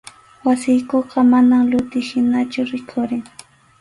Wasiykuqa manam luti hinachu rikhurin.